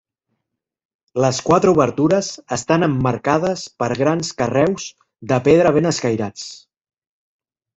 Les quatre obertures estan emmarcades per grans carreus de pedra ben escairats.